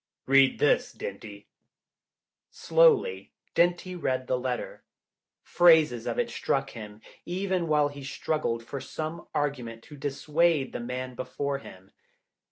Read this, Dinty." Slowly Dinty read the letter. Phrases of it struck him, even while he struggled for some argument to dissuade the man before him.